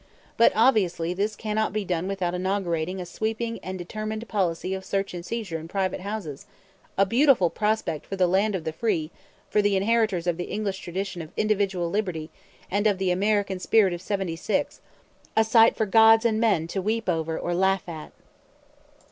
But obviously this cannot be done without inaugurating a sweeping and determined policy of search and seizure in private houses; a beautiful prospect for "the land of the free," for the inheritors of the English tradition of individual liberty and of the American spirit of '76 sight for gods and men to weep over or laugh at!